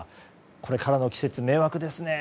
これからの季節、迷惑ですね。